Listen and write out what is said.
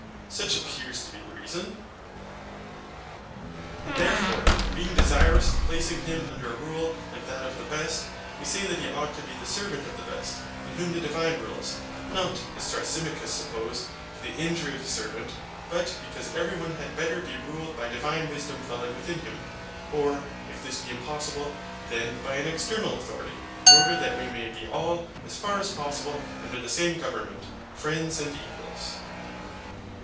Such appears to be the reason. And therefore, being desirous of placing him under a rule like that of the best, we say that he ought to be the servant of the best, in whom the Divine rules; not, as Thrasymachus supposed, to the injury of the servant, but because every one had better be ruled by divine wisdom dwelling within him; or, if this be impossible, then by an external authority, in order that we may be all, as far as possible, under the same government, friends and equals.